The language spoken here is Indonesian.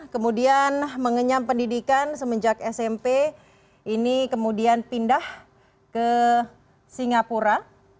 kemudian mengenyam pendidikan semenjak smp ini kemudian pindah ke singapura